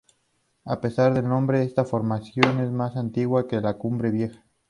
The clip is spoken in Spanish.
A pesar del nombre, esta formación es más antigua que la Cumbre Vieja.